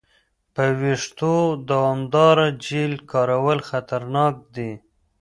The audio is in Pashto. پر وېښتو دوامداره جیل کارول خطرناک دي.